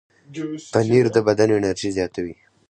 پنېر د بدن انرژي زیاتوي.